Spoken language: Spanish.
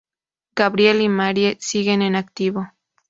Gabriel y Marie siguen en activo.